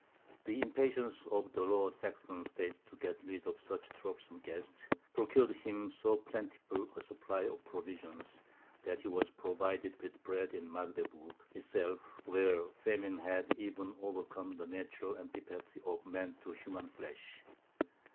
The impatience of the Lower Saxon States to get rid of such troublesome guests, procured him so plentiful a supply of provisions, that he was provided with bread in Magdeburg itself, where famine had even overcome the natural antipathy of men to human flesh.